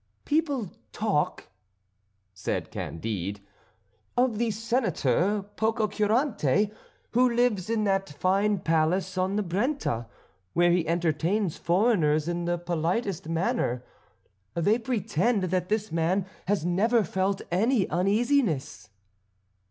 "People talk," said Candide, "of the Senator Pococurante, who lives in that fine palace on the Brenta, where he entertains foreigners in the politest manner. They pretend that this man has never felt any uneasiness."